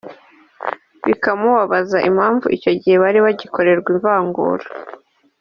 bikamubabaza impamvu icyo gihe bari bagikorerwa ivangura